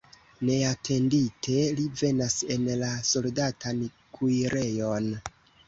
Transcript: Neatendite li venas en la soldatan kuirejon.